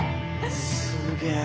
すげえ。